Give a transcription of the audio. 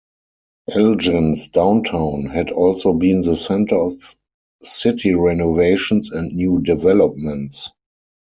Elgin's downtown had also been the center of city renovations and new developments.